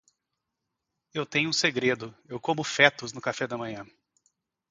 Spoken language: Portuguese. Eu tenho um segredo: eu como fetos no café da manhã.